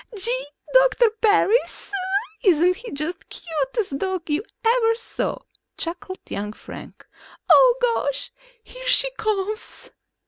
"Gee, Doctor Parris, isn't he just the cutest dog you ever saw?" chuckled young Frank. "Oh, gosh, here she comes!"